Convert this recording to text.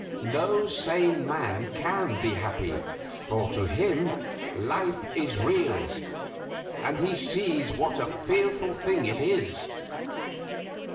No sane man can be happy, for to him life is real, and he sees what a fearful thing it is.